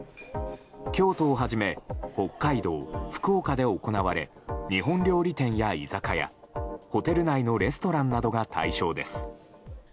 京都をはじめ北海道、福岡で行われ日本料理店や居酒屋ホテル内のレストランなどが対象です。